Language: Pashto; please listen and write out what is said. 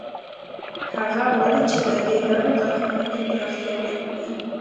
هغه غواړي چې له دې لارې کارخانې ته پراختیا ورکړي